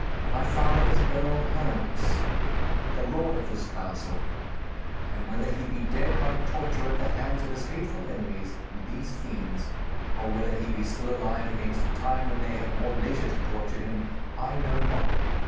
'My father is Earl Hernox, the lord of this castle. And whether he be dead by torture at the hands of his hateful enemies and these fiends, or whether he be still alive against a time when they have more leisure to torture him, I know not.